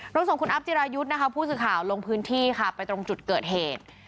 ส่งคุณอัพจิรายุทธ์นะคะผู้สื่อข่าวลงพื้นที่ค่ะไปตรงจุดเกิดเหตุ